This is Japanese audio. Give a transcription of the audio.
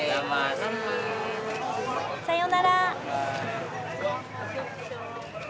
さようなら。